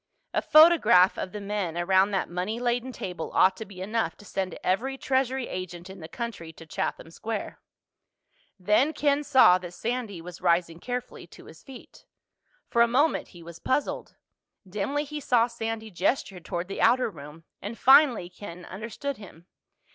A photograph of the men around that money laden table ought to be enough to send every Treasury agent in the country to Chatham Square. Then Ken saw that Sandy was rising carefully to his feet. For a moment he was puzzled. Dimly he saw Sandy gesture toward the outer room, and finally Ken understood him.